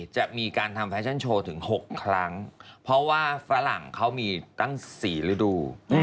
จะมีการทำแฟชั่นโชว์ถึง๖ครั้งเพราะว่าฝรั่งเขามีตั้ง๔ฤดู